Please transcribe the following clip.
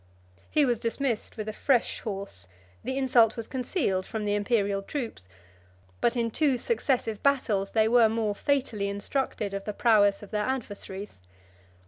He was dismissed with a fresh horse; the insult was concealed from the Imperial troops; but in two successive battles they were more fatally instructed of the prowess of their adversaries.